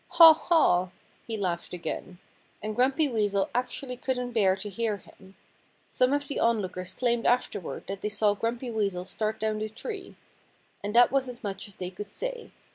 "Haw, haw!" he laughed again. And Grumpy Weasel actually couldn't bear to hear him. Some of the onlookers claimed afterward that they saw Grumpy Weasel start down the tree. And that was as much as they could say.